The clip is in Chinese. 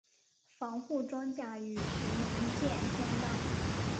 防护装甲与巡洋舰相当。